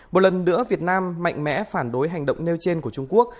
một lần nữa việt nam mạnh mẽ phản đối hành động nêu trên của trung quốc